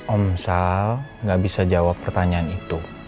om sal gak bisa jawab pertanyaan itu